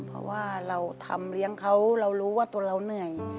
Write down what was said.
เพราะว่าเราทำเลี้ยงเขาเรารู้ว่าตัวเราเหนื่อย